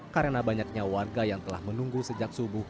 karena banyaknya warga yang telah menunggu sejak subuh